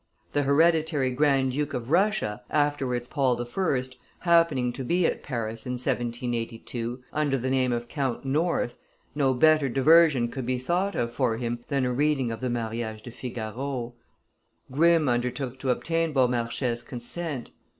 The hereditary grand duke of Russia, afterwards Paul I., happening to be at Paris in 1782, under the name of Count North, no better diversion could be thought of for him than a reading of the Manage de Figaro. Grimm undertook to obtain Beaumarchais' consent.